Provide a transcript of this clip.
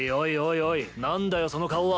おいなんだよその顔は？